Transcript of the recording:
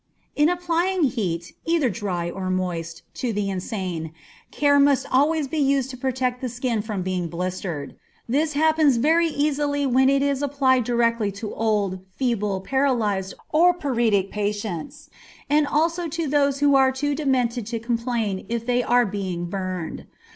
_ In applying heat, either dry or moist, to the insane, care must always be used to protect the skin from being blistered. This happens very easily when it is applied directly to old, feeble, paralyzed, or paretic patients, and also to those who are too demented to complain if they are being burned.